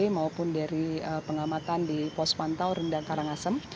maupun dari pengamatan di pos pantau rendang karangasem